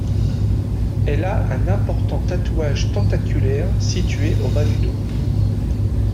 Elle a un important tatouage tentaculaire situé au bas du dos.